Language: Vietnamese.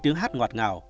tiếng hát ngọt ngào